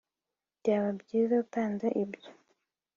byaba byiza utanze ibyo